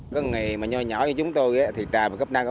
có ngày mà nhỏ nhỏ như chúng tôi thì trà và cấp năng